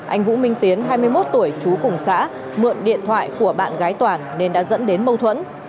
anh vũ minh tiến hai mươi một tuổi chú cùng xã mượn điện thoại của bạn gái toàn nên đã dẫn đến mâu thuẫn